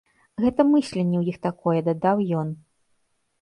Гэта мысленне ў іх такое, дадаў ён.